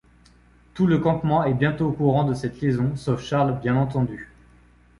Tout le campement est bientôt au courant de cette liaison sauf Charles bien entendu.